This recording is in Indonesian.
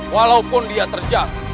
walaupun dia terjatuh